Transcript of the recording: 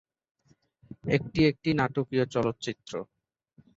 একটি একটি নাটকীয় চলচ্চিত্র।